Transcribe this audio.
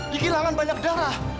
dikilangan banyak darah